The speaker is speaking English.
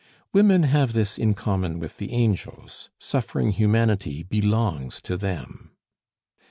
Women have this in common with the angels, suffering humanity belongs to them.